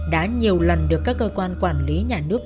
đã nhiều lần được các cơ quan quản lý nhà nước